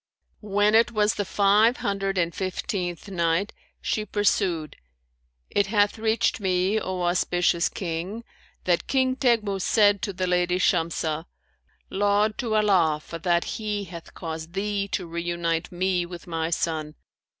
When it was the Five Hundred and Fifteenth Night, She pursued, It hath reached me, O auspicious King, that "King Teghmus said to the lady Shamsah, 'Laud to Allah for that He hath caused thee to reunite me with my son!